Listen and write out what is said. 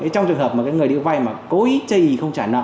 trong trường hợp người đi vay mà cố ý chơi ý không trả nợ